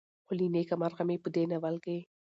خو له نيکه مرغه مې په دې ناول کې